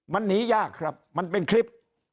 มันหนียากครับมันเป็นคลิป